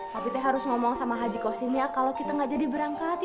tapi teh harus ngomong sama haji kwasim ya kalau kita gak jadi berangkat ya